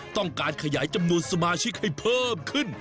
ต้องการขยายจำนวนสมาชิกให้เพิ่มขึ้น